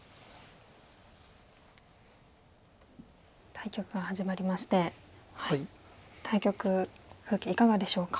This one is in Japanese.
対局が始まりまして対局風景いかがでしょうか？